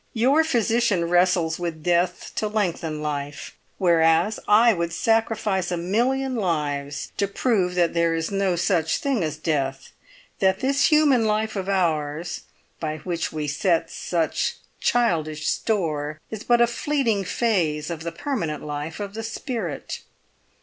Your physician wrestles with death to lengthen life, whereas I would sacrifice a million lives to prove that there is no such thing as death; that this human life of ours, by which we set such childish store, is but a fleeting phase of the permanent life of the spirit.